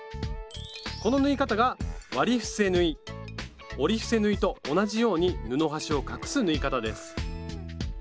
この縫い方が折り伏せ縫いと同じように布端を隠す縫い方です。